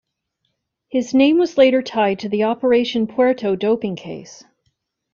His name was later tied to the Operation Puerto doping case.